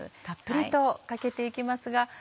たっぷりとかけて行きますが。